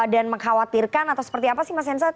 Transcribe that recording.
dan mengkhawatirkan atau seperti apa sih mas hensat